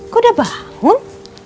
kau udah bangun